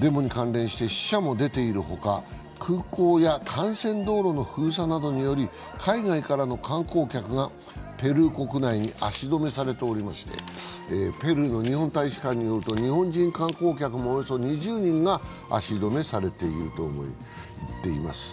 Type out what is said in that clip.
デモに関連して死者も出ているほか、空港や幹線道路の封鎖などにより海外からの観光客がペルー国内に足止めされておりまして、ペルーの日本大使館によると日本人観光客およそ２０人が足止めされています。